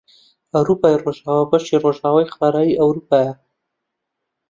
ئەوروپای ڕۆژئاوا بەشی ڕۆژئاوای قاڕەی ئەوروپایە